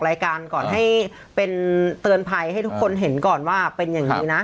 รายการก่อนให้เป็นเตือนภัยให้ทุกคนเห็นก่อนว่าเป็นอย่างนี้นะ